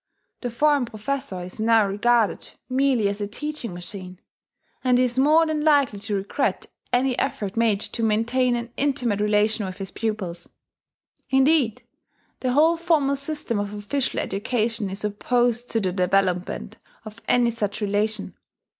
The foreign professor is now regarded merely as a teaching machine; and he is more than likely to regret any effort made to maintain an intimate relation with his pupils. Indeed the whole formal system of official education is opposed to the development of any such relation.